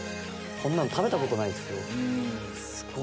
こんなの食べたことないです。